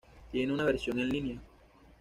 Tiene una versión en línea.